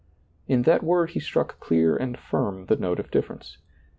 In that word he struck clear and firm the note of difference.